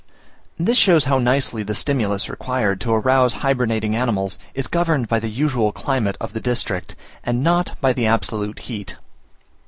This shows how nicely the stimulus required to arouse hybernating animals is governed by the usual climate of the district, and not by the absolute heat.